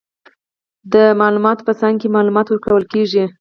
د معلوماتو په څانګه کې، معلومات ورکول کیږي.